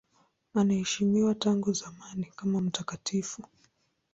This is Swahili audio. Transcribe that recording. Anaheshimiwa tangu zamani kama mtakatifu.